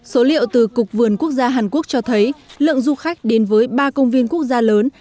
số liệu từ cục vườn quốc gia hàn quốc cho thấy lượng du khách đến với ba công viên quốc gia lớn